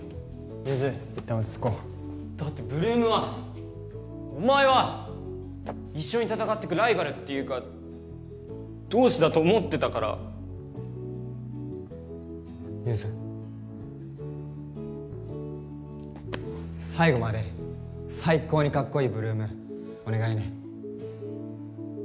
ユズ一旦落ち着こうだって８ＬＯＯＭはお前は一緒に戦ってくライバルっていうか同志だと思ってたからユズ最後まで最高にカッコイイ８ＬＯＯＭお願いね